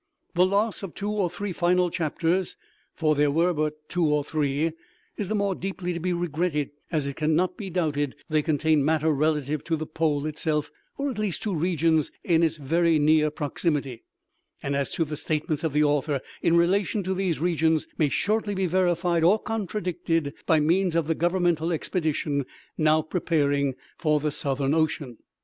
The loss of two or three final chapters (for there were but two or three) is the more deeply to be regretted, as it can not be doubted they contained matter relative to the Pole itself, or at least to regions in its very near proximity; and as, too, the statements of the author in relation to these regions may shortly be verified or contradicted by means of the governmental expedition now preparing for the Southern Ocean.